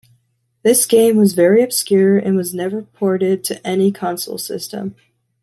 This game was very obscure and was never ported to any console system.